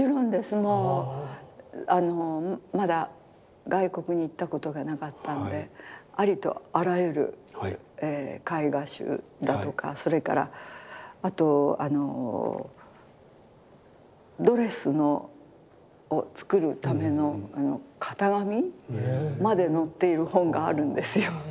もうまだ外国に行ったことがなかったのでありとあらゆる絵画集だとかそれからあとドレスを作るための型紙まで載っている本があるんですよ。